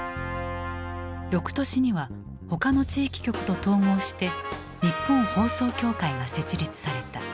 翌年には他の地域局と統合して「日本放送協会」が設立された。